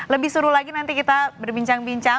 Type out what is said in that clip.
lebih seru lagi nanti kita berbincang bincang